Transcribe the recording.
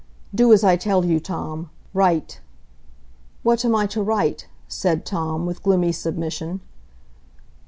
Do as I tell you, Tom. Write." "What am I to write?" said Tom, with gloomy submission.